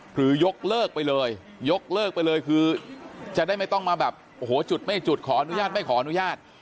คือยกเลิกไปเลยคือจะได้ไม่ต้องมาแบบจุดไม่จุดขออนุญาตไม่ขออนุญาต